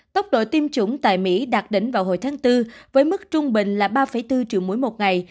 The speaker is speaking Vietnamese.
tốc độ tiêm chủng tại mỹ đạt đỉnh vào hồi tháng bốn với mức trung bình là ba bốn triệu mũi một ngày